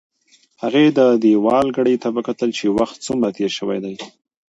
هغې د دېوال ګړۍ ته وکتل چې وخت څومره تېر شوی دی.